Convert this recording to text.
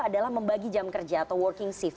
adalah membagi jam kerja atau working shift